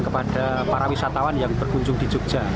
kepada para wisatawan yang berkunjung di jogja